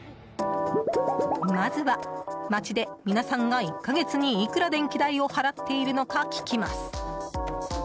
まずは、街で皆さんが１か月にいくら電気代を払っているのか聞きます。